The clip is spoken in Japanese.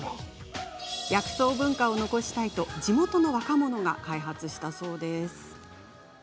薬草文化を残したいと地元の若者が開発したそうです。